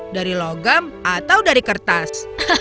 dari logam atau dari kertas